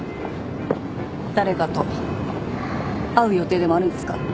誰かと会う予定でもあるんですか？